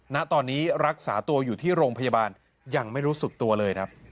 ณตอนนี้รักษาตัวอยู่ที่โรงพยาบาลยังไม่รู้สึกตัวเลยครับ